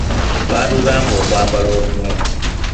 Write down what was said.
Baatugamba okwambala obulungi.